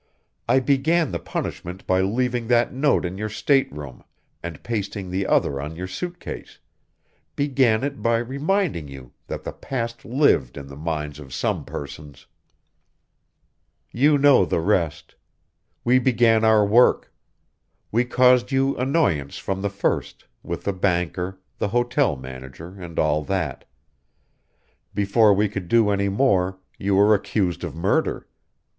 I began the punishment by leaving that note in your stateroom and pasting the other on your suit case, began it by reminding you that the past lived in the minds of some persons. "You know the rest. We began our work. We caused you annoyance from the first, with the banker, the hotel manager, and all that. Before we could do any more, you were accused of murder.